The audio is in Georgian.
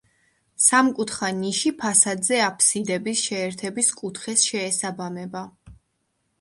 სამკუთხა ნიში ფასადზე აფსიდების შეერთების კუთხეს შეესაბამება.